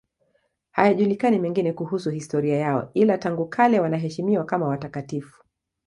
Hayajulikani mengine kuhusu historia yao, ila tangu kale wanaheshimiwa kama watakatifu.